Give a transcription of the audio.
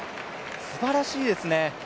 すばらしいですね。